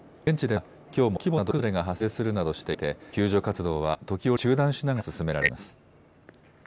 現地ではきょうも小規模な土砂崩れが発生するなどしていて救助活動は時折中断しながら進められています。